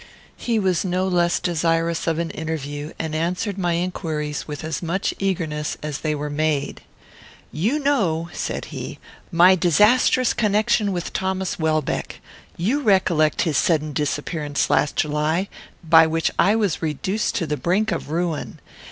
He was no less desirous of an interview, and answered my inquiries with as much eagerness as they were made. "You know," said he, "my disastrous connection with Thomas Welbeck. You recollect his sudden disappearance last July, by which I was reduced to the brink of ruin.